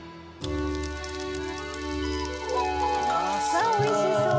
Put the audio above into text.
わあ美味しそう！